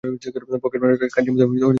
পকেটমারের, কাঁচির মত, জিহ্বা চালাইতেছ।